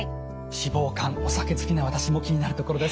脂肪肝お酒好きな私も気になるところです。